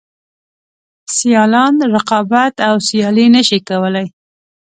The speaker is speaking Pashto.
سیالان رقابت او سیالي نشي کولای.